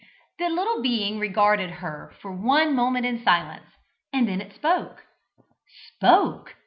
122] The little being regarded her for one moment in silence, and then it spoke. Spoke!